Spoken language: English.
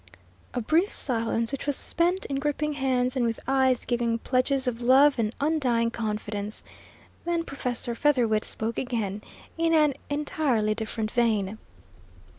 A brief silence, which was spent in gripping hands and with eyes giving pledges of love and undying confidence; then Professor Featherwit spoke again, in an entirely different vein.